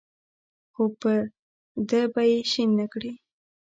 خو په ده به یې شین نکړې.